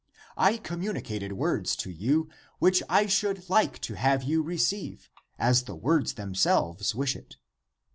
I communicated words to you which I should like to have you re ceive, as the words themselves wish it.